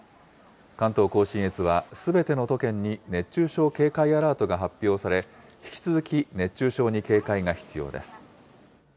関東甲信越は、すべての都県に熱中症警戒アラートが発表され、引き続き熱中症に警戒が必要です。